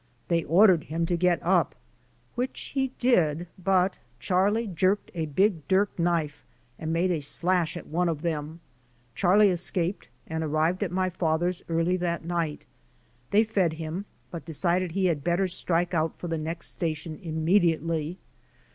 They ordered him to get up, which he did, but Charlie jerked a big dirk knife and made a slash at one of them. Charlie escaped and arrived at my father's early that night. They fed him but decided he had better strike out for the next station immediately.